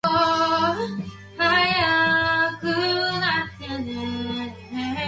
私のたわしそこ行った